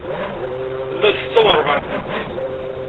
Tella d ssetta uṛbeɛ n tmeddit.